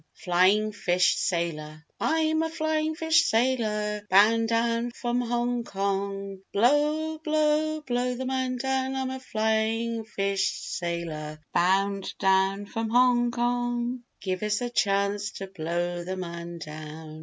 FLYING FISH SAILOR "I'm a flying fish sailor Bound down from Hong Kong Blow, blow, blow, the man down I'm a flying fish sailor Bound down from Hong Kong Give us a chance to blow the man down."